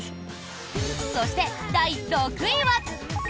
そして、第６位は。